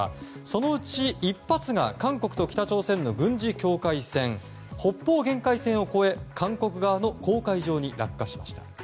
そのうち１発が韓国と北朝鮮の軍事境界線北方限界線を越え韓国の公海上に落下しました。